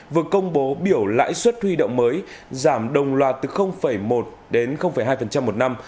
vừa công bố biểu lãi suất huy động mới giảm đồng loạt từ một đến hai một năm